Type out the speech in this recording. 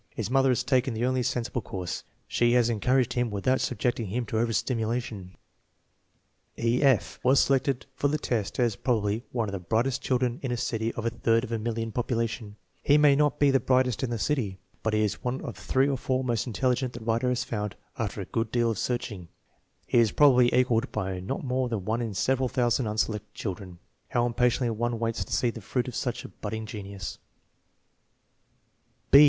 His mother has taken the only sensible course; she has encouraged him without subjecting him to overstimulation. 102 THE MEASUREMENT OF INTELLIGENCE E. F. was selected for the test as probably one of the brightest children in a city of a third of a million population. He may not be the brightest in that city, but he is one of the three or four most intelligent the writer has found after a good deal of searching. He is probably equaled by not more than one in several thousand un selected children. How impatiently one waits to see the fruit of such a budding genius!